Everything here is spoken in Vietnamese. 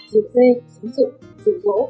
dụng dê sử dụng dụng gỗ